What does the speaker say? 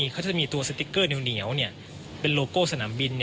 เขาจะมีตัวสติ๊กเกอร์เหนียวเป็นโลโก้สนามบิน